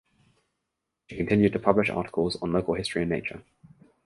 She continued to publish articles on local history and nature.